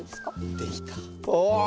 できた。